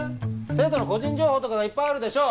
生徒の個人情報とかがいっぱいあるでしょ。